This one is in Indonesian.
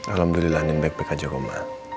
alhamdulillah andin baik baik aja ma